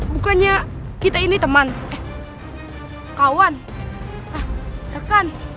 bukannya kita ini teman eh kawan eh rekan